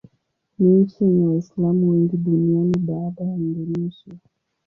Ni nchi yenye Waislamu wengi duniani baada ya Indonesia.